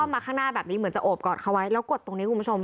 มาข้างหน้าแบบนี้เหมือนจะโอบกอดเขาไว้แล้วกดตรงนี้คุณผู้ชม